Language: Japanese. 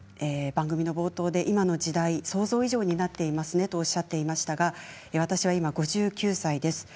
番組の冒頭で今の時代、想像以上になっていますねとおっしゃっていましたが私は今、５９歳です。